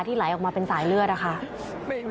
ไหลออกมาเป็นสายเลือดนะคะ